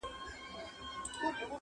و قاضي صاحب ته ور کړې زر دیناره,